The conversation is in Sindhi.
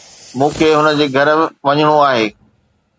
مون کي هن جي گهر وڃڻو آهي